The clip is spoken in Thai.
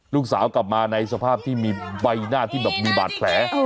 ลูกสาวกลับมาในสภาพที่มีใบหน้าที่แบบมีบาดแผล